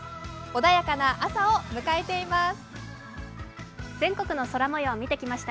穏やかな朝を迎えています。